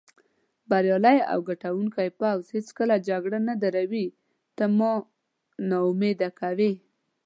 بریالی او ګټوونکی پوځ هېڅکله جګړه نه دروي، ته ما نا امیده کوې.